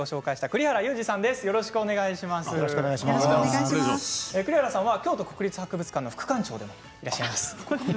栗原さんは京都国立博物館の副館長でもいらっしゃいます。